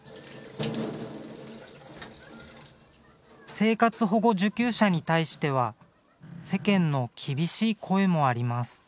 生活保護受給者に対しては世間の厳しい声もあります。